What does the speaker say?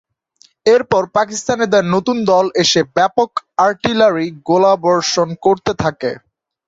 এরপর পাকিস্তানিদের নতুন দল এসে ব্যাপক আর্টিলারি গোলাবর্ষণ করতে থাকে।